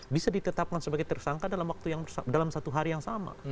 bisa ditetapkan sebagai tersangka dalam satu hari yang sama